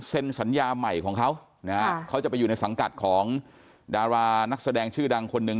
สัญญาใหม่ของเขานะฮะเขาจะไปอยู่ในสังกัดของดารานักแสดงชื่อดังคนหนึ่ง